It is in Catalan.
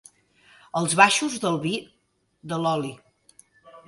Els baixos del vi, de l'oli.